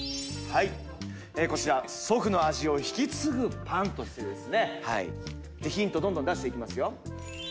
こちら祖父の味を引き継ぐパンとしてですねヒントどんどん出していきますよ